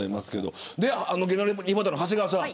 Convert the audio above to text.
芸能リポーターの長谷川さん